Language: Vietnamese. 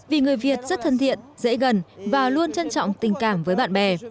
vì người việt rất thân thiện dễ gần và luôn trân trọng tình cảm với bạn bè